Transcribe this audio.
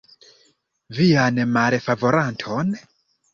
Vian malfavoraton?